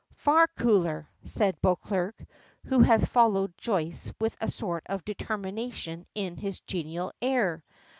"Far cooler," says Beauclerk, who has followed Joyce with a sort of determination in his genial air.